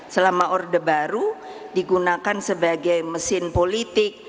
selama orde baru digunakan sebagai mesin politik